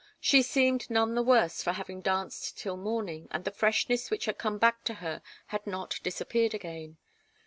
She seemed none the worse for having danced till morning, and the freshness which had come back to her had not disappeared again.